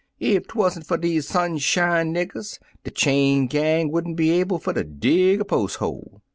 Ef 'twan't for dese sunshine niggers, de chain gang would n't be able fer ter dig er pos' hole.